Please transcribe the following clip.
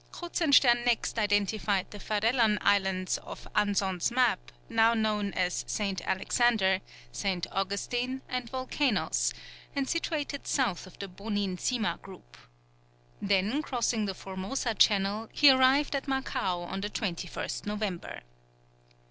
Kruzenstern next identified the Farellon Islands of Anson's map, now known as St. Alexander, St. Augustine, and Volcanos, and situated south of the Bonin Sima group. Then crossing the Formosa Channel, he arrived at Macao on the 21st November.